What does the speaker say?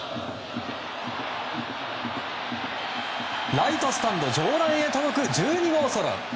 ライトスタンド上段へ届く１２号ソロ！